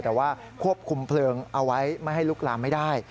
แต่ว่าควบคุมเพลิงเอาไว้ไม่ให้ลุกลามไม่ได้